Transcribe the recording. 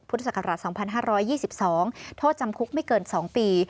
พศ๒๕๒๒โทษจำคุกไม่เกิน๒ปี